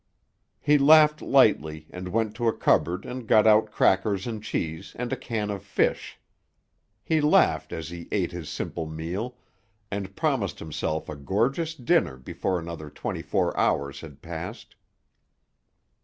He laughed lightly and went to a cupboard and got out crackers and cheese and a can of fish. He laughed as he ate his simple meal, and promised himself a gorgeous dinner before another twenty four hours had passed.